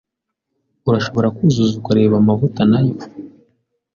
Urashobora kuzuza ukareba amavuta, nayo?